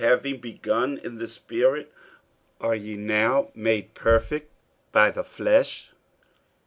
having begun in the Spirit, are ye now made perfect by the flesh?